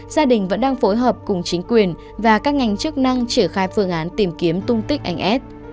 gia đình vẫn đang phối hợp cùng chính quyền và các ngành chức năng triển khai phương án tìm kiếm tung tích anh ad